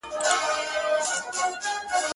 دا سرې سرې دا غټي سترګي -